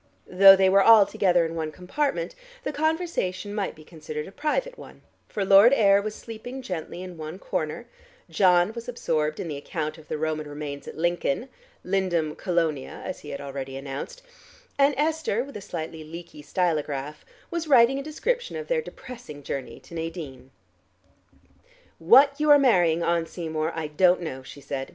Though they were all together in one compartment the conversation might be considered a private one, for Lord Ayr was sleeping gently in one corner, John was absorbed in the account of the Roman remains at Lincoln (Lindum Colonia, as he had already announced), and Esther with a slightly leaky stylograph was writing a description of their depressing journey to Nadine. "What you are marrying on, Seymour, I don't know," she said.